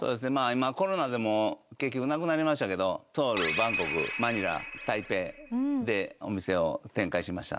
今コロナで結局なくなりましたけどソウルバンコクマニラ台北でお店を展開しました。